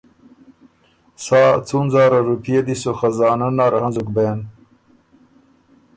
سا څُون زاره روپئے دی سو خزانۀ نر هنزُک بېن،